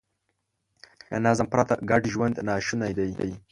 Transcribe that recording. له نظم پرته ګډ ژوند ناشونی دی.